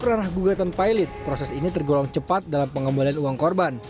ranah gugatan pilot proses ini tergolong cepat dalam pengembalian uang korban